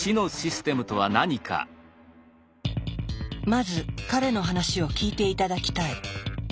まず彼の話を聞いて頂きたい。